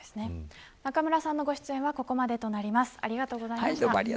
中村さんのご出演はここまでです。